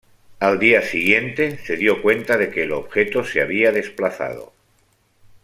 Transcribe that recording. Al día siguiente se dio cuenta de que el objeto se había desplazado.